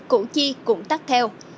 các tàu chi cũng tắt theo